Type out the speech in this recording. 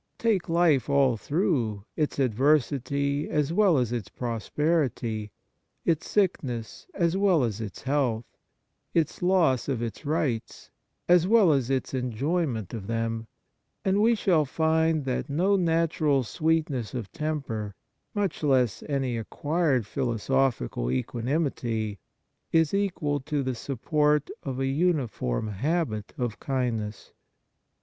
Take life all through, its adversity as well as its prosperity, its sickness as well as its health, its loss of its rights as well as its enjoyment of them, and we shall find that no natural sweetness of temper, much less any acquired philoso phical equanimity, is equal to the support of a uniform habit of kindness.